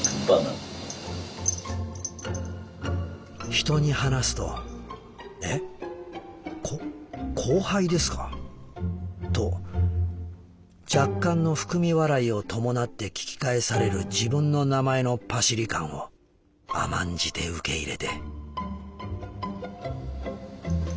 「人に話すと『え？こ後輩ですか？』と若干の含み笑いを伴って聞き返される自分の名前のパシリ感を甘んじて受け入れて」。